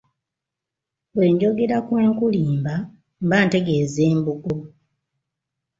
Bwe njogera ku enkulimba mba ntegeeza Embugo.